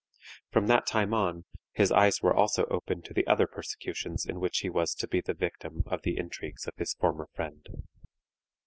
From that time on his eyes were also opened to the other persecutions in which he was to be the victim of the intrigues of his former friend.